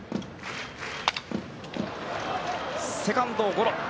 セカンドゴロ。